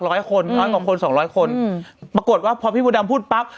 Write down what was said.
ร้อยคนร้อยกว่าคนสองร้อยคนอืมปรากฏว่าพอพี่มดดำพูดปั๊บ